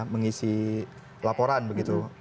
mengisi laporan begitu